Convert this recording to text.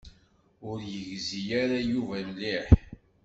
Ur yegzi ara Yuba mliḥ.